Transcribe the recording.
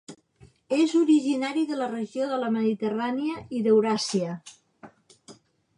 És originari de la regió de la Mediterrània i d'Euràsia.